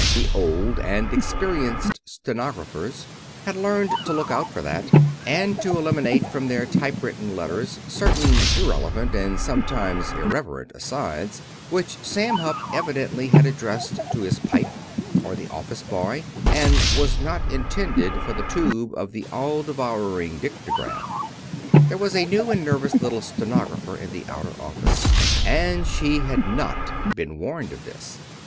The old and experienced stenographers, had learned to look out for that, and to eliminate from their typewritten letters certain irrelevant and sometimes irreverent asides which Sam Hupp evidently had addressed to his pipe, or the office boy, and not intended for the tube of the all devouring dictagraph. There was a new and nervous little stenographer in the outer office, and she had not been warned of this.